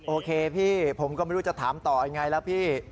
โอเคพี่ผมก็ไม่รู้จะถามต่อยังไงแล้วพี่